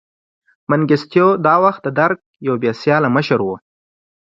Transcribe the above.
منګیسټیو دا وخت د درګ یو بې سیاله مشر و.